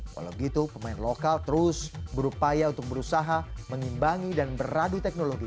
walau gitu pemain lokal terus berupaya untuk berusaha mengimbangi dan beradu teknologi